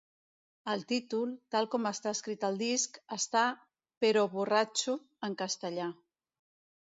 El títol, tal com està escrit al disc, està "però borratxo" en castellà.